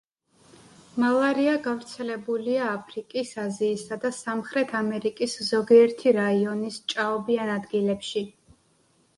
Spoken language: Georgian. მალარია გავრცელებულია აფრიკის, აზიისა და სამხრეთ ამერიკის ზოგიერთი რაიონის ჭაობიან ადგილებში.